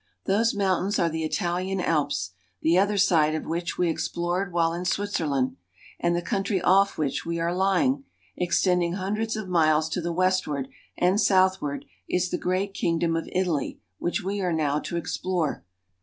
Those moun tains are the Italian Alps, the other side of which we explored while in Switzerland ; and the country off which we are lying, extending hundreds of miles to the westward and southward, is the great kingdom of Italy, which we are now to explore.